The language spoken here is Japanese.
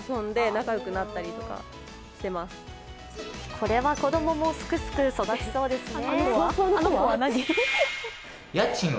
これは子供もすくすく育ちそうですね。